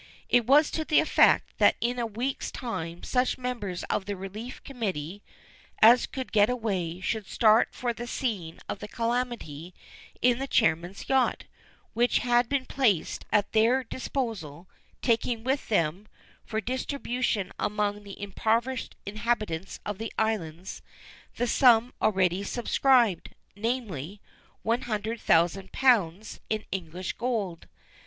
It was to the effect that in a week's time such members of the Relief Committee as could get away should start for the scene of the calamity in the chairman's yacht, which had been placed at their disposal, taking with them, for distribution among the impoverished inhabitants of the Islands, the sum already subscribed, namely, one hundred thousand pounds in English gold.